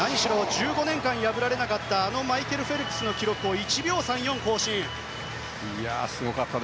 １５年間破られなかったマイケル・フェルプスの記録を１秒３４更新。